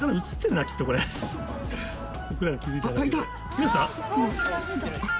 いました？